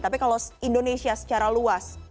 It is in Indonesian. tapi kalau indonesia secara luas